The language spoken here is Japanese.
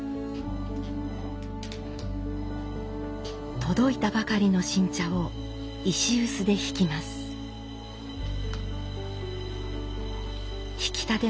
届いたばかりの新茶を石臼でひきます。